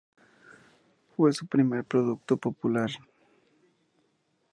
Fue su primer producto popular.